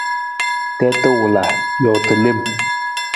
Tiita wala, joota lem.